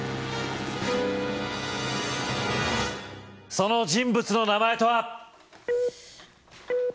その人物の名前とは？